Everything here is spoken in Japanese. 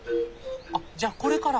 あっじゃこれから？